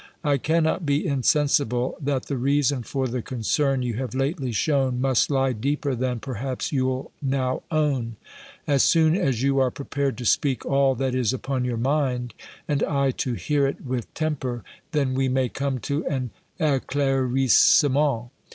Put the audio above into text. I cannot be insensible, that the reason for the concern you have lately shewn, must lie deeper than, perhaps, you'll now own. As soon as you are prepared to speak all that is upon your mind, and I to hear it with temper, then we may come to an eclaircissement.